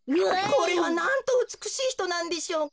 これはなんとうつくしいひとなんでしょうか。